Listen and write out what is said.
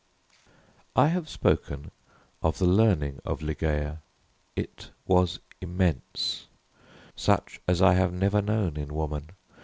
I have spoken of the learning of Ligeia: it was immense such as I have never known in woman.